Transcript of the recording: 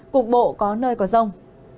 cục bộ có nơi có rông